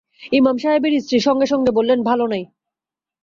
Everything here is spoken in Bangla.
ইমাম সাহেবের স্ত্রী সঙ্গে-সঙ্গে বললেন, ভালো নাই।